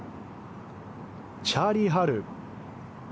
チャーリー・ハル。